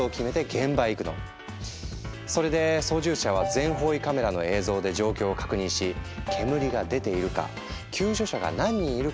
それで操縦者は全方位カメラの映像で状況を確認し煙が出ているか救助者が何人いるかを検出。